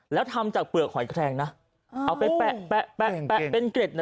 แล้วทำจากเปลือกหอยแครงนะเอาไปแปะแปะแปะแปะเป็นเกร็ด